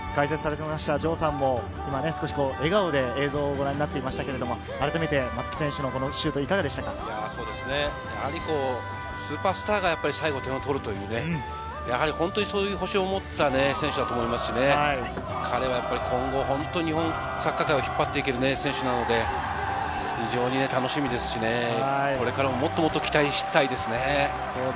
城さんも少し笑顔で映像をご覧になっていましたが、あらためて松木選手のシュートいスーパースターが最後、点を取るという、そういう星を持った選手だと思いますし、彼は今後、本当に日本サッカー界を引っ張っていける選手なので、非常に楽しみですし、これからももっともっと期待したいですね。